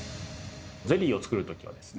ゼリーを作る時はですね